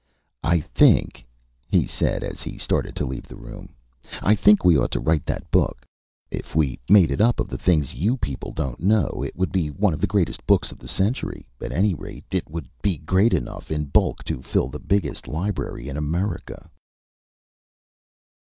"I think," he said, as he started to leave the room "I think we ought to write that book. If we made it up of the things you people don't know, it would be one of the greatest books of the century. At any rate, it would be great enough in bulk to fill the biggest library in America."